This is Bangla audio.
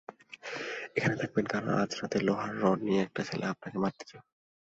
এখানে থাকবেন, কারণ আজ রাতে লোহার রড নিয়ে একটি ছেলে আপনাকে মারতে যাবে।